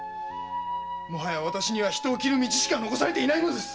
もはや人を斬る道しか残されていないのです！